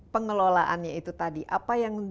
pengelolaannya itu tadi apa yang